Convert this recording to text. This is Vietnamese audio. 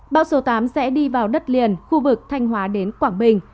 bão số tám sẽ đi vào đất liền khu vực thanh hóa đến quảng bình